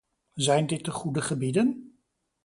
Zijn dit de goede gebieden?